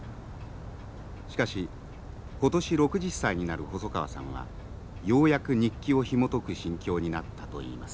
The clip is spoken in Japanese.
しかし今年６０歳になる細川さんはようやく日記をひもとく心境になったといいます。